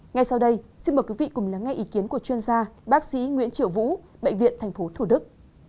ngay sau đây xin mời quý vị cùng lắng nghe ý kiến của chuyên gia bác sĩ nguyễn triệu vũ bệnh viện tp thủ đức